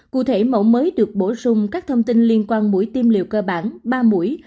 cụ thể mẫu mới được bổ sung các thông tin liên quan mũi tiêm liều cơ bản ba mũi